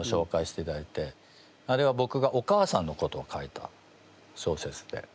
あれはぼくがお母さんのことを書いた小説で。